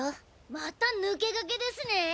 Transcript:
また抜け駆けですね！